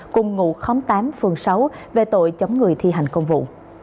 cùng ngụ khóm tám phường sáu về tội chống người thi hành công vụ